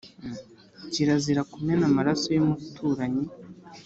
Kirazira kumena amaraso y’umuturanyi